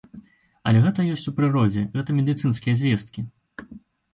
Але гэта ёсць у прыродзе, гэта медыцынскія звесткі.